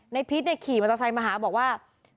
พีชขี่มอเตอร์ไซค์มาหาบอกว่า